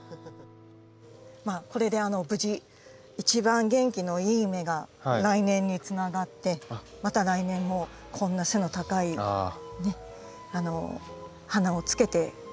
これで無事一番元気のいい芽が来年につながってまた来年もこんな背の高い花をつけてくれそうですね。